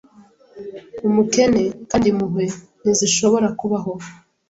UmukeneKandi Impuhwe ntizishobora kubaho